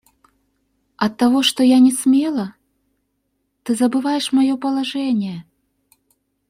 Оттого что я не смела... ты забываешь мое положение...